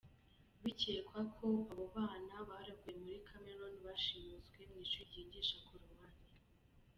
Bikekwa ko abo bana barokowe muri Cameroon bashimuswe mu ishuri ryigisha Korowani.